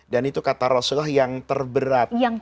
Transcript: dan itu kata rasulullah yang terberat